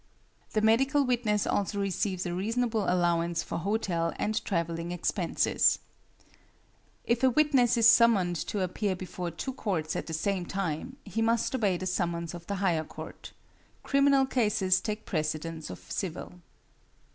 The medical witness also receives a reasonable allowance for hotel and travelling expenses. If a witness is summoned to appear before two courts at the same time, he must obey the summons of the higher court. Criminal cases take precedence of civil.